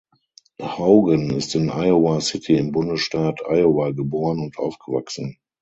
Haugen ist in Iowa City im Bundesstaat Iowa geboren und aufgewachsen.